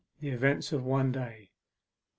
THE EVENTS OF ONE DAY 1.